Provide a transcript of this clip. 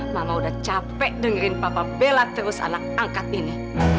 mama udah capek dengerin papa bela terus anak angkat ini